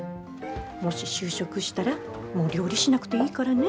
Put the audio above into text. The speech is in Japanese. もし就職したらもう料理しなくていいからね。